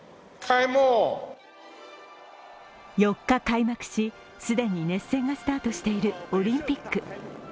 ４日、開幕しすでに熱戦がスタートしているオリンピック。